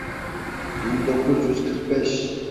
Bin dokuz yüz kırk beş.